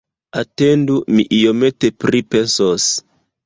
Atendu, mi iomete pripensos!